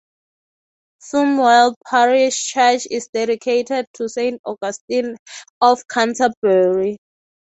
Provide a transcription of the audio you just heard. Flimwell parish church is dedicated to Saint Augustine of Canterbury.